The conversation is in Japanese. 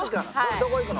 どこ行くの？